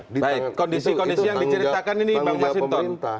kondisi kondisi yang diceritakan ini bang mas hinton